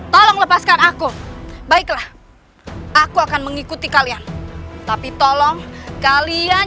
tolong lepaskan aku baiklah aku akan mengikuti kalian tapi tolong kalian